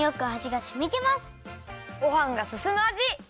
ごはんがすすむあじ！